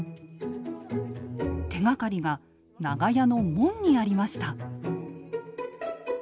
手がかりが長屋の門にありました。